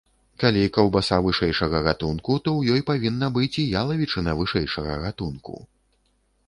Калі каўбаса вышэйшага гатунку, то ў ёй павінна быць і ялавічына вышэйшага гатунку.